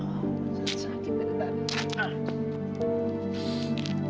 terusin sakit dari tadi